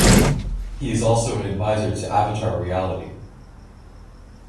He is also an advisor to Avatar Reality.